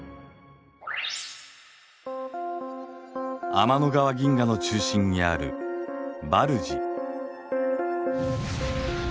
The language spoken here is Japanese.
天の川銀河の中心にあるバルジ。